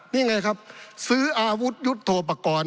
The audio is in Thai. นี่ไงครับซื้ออาวุธยุทธโทปกรณ์